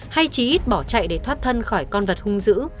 hay trí ít bỏ chạy để thoát thân khỏi con vật hung dữ